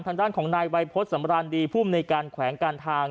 ทางด้านของนายวัยพฤษสมรรณดีผู้มนตรีการแขวงการทาง